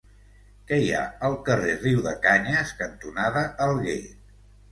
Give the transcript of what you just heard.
Què hi ha al carrer Riudecanyes cantonada Alguer?